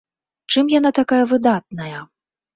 Чым яна такая выдатная?